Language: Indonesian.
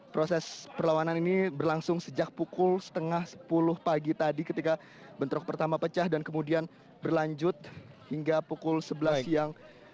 proses perlawanan ini berlangsung sejak pukul setengah sepuluh pagi tadi ketika bentrok pertama pecah dan kemudian berlanjut hingga pukul sebelas siang